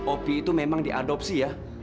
opi itu memang diadopsi ya